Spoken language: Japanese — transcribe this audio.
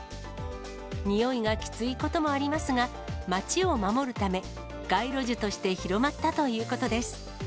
臭いがきついこともありますが、街を守るため、街路樹として広まったということです。